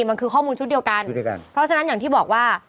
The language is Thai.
มันคือข้อมูลชุดเดียวกันชุดเดียวกันเพราะฉะนั้นอย่างที่บอกว่า